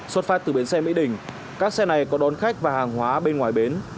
xuất phát từ bến xe mỹ đình các xe này có đón khách và hàng hóa bên ngoài bến